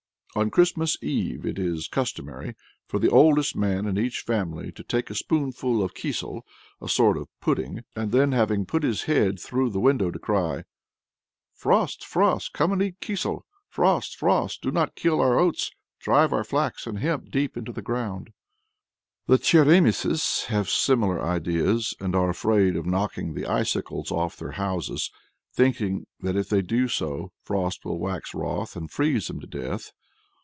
On Christmas Eve it is customary for the oldest man in each family to take a spoonful of kissel, a sort of pudding, and then, having put his head through the window, to cry: "Frost, Frost, come and eat kissel! Frost, Frost, do not kill our oats! drive our flax and hemp deep into the ground." The Tcheremisses have similar ideas, and are afraid of knocking the icicles off their houses, thinking that, if they do so, Frost will wax wroth and freeze them to death.